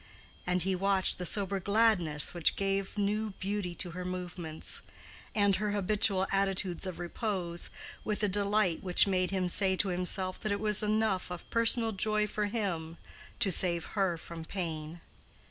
And he watched the sober gladness which gave new beauty to her movements; and her habitual attitudes of repose, with a delight which made him say to himself that it was enough of personal joy for him to save her from pain.